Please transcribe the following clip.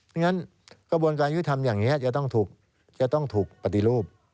ดังนั้นกระบวนการยุทธรรมอย่างเนี้ยจะต้องถูกจะต้องถูกปฏิรูป